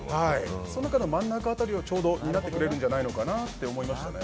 その中で真ん中辺りをちょうど担ってくるんじゃないかと思います。